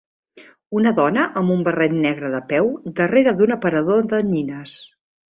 Una dona amb un barret negre de peu darrere d'un aparador de nines.